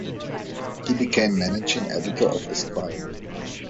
He became managing editor of "Esquire".